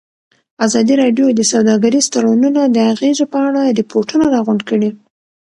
ازادي راډیو د سوداګریز تړونونه د اغېزو په اړه ریپوټونه راغونډ کړي.